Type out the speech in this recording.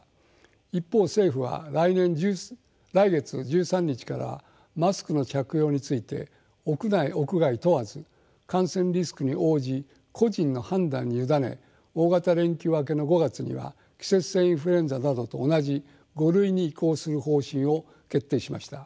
一方政府は来月１３日からはマスクの着用について屋内屋外問わず感染リスクに応じ個人の判断に委ね大型連休明けの５月には季節性インフルエンザなどと同じ「５類」に移行する方針を決定しました。